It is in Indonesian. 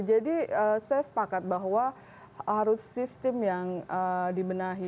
jadi saya sepakat bahwa harus sistem yang dimenahi